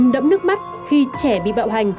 thầm đẫm nước mắt khi trẻ bị bạo hành